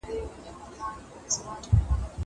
زه له سهاره ونې ته اوبه ورکوم!